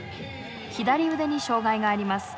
左腕に障害があります。